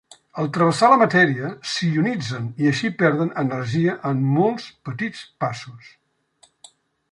Al travessar la matèria, s'ionitzen i així perden energia en molts petits passos.